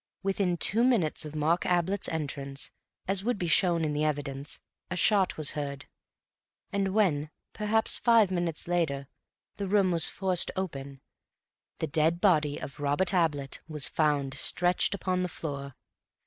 Within two minutes of Mark Ablett's entrance, as would be shown in the evidence, a shot was heard, and when—perhaps five minutes later—the room was forced open, the dead body of Robert Ablett was found stretched upon the floor.